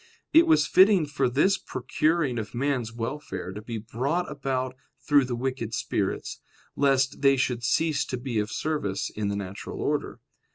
It was fitting for this procuring of man's welfare to be brought about through the wicked spirits, lest they should cease to be of service in the natural order.